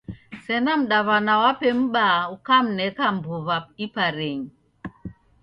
Sena mdaw'ana wape m'baa ukamneka mbuw'a iparenyi.